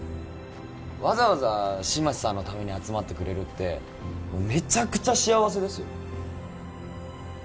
わざわざ新町さんのために集まってくれるってめちゃくちゃ幸せですよ